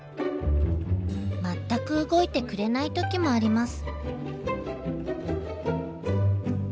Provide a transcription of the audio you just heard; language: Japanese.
全く動いてくれない時もあります。